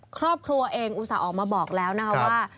ครอบครัวเองอุตส่าห์ออกมาบอกแล้วนะคะว่า